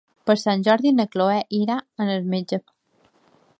Per Sant Jordi na Cloè irà al metge.